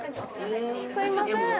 すいません